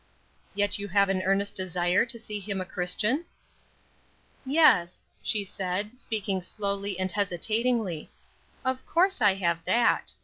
"Yet you have an earnest desire to see him a Christian?" "Yes," she said, speaking slowly and hesitatingly; "of course I have that.